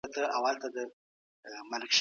نثر او ژورنالیزم مخکښ